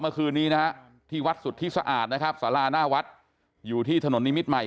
เมื่อคืนนี้นะฮะที่วัดสุทธิสะอาดนะครับสาราหน้าวัดอยู่ที่ถนนนิมิตรใหม่